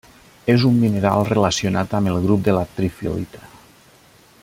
És un mineral relacionat amb el grup de la trifilita.